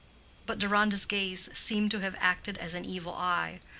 But Deronda's gaze seemed to have acted as an evil eye.